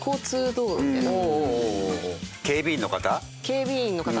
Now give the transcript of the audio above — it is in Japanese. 警備員の方。